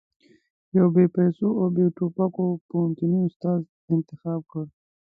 يو بې پيسو او بې ټوپکو پوهنتوني استاد انتخاب کړ.